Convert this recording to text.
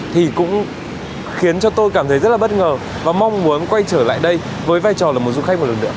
thì cũng khiến cho tôi cảm thấy rất là bất ngờ và mong muốn quay trở lại đây với vai trò là một du khách một lần nữa